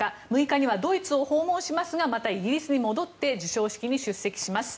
６日にはドイツを訪問しますがまたイギリスに戻って授賞式に出席します。